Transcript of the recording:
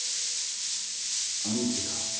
兄貴が。